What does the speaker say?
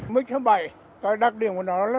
mích bảy đặc điểm của nó là